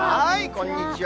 こんにちは。